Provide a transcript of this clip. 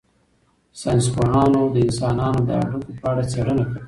ساینس پوهانو د انسانانو د هډوکو په اړه څېړنه کړې.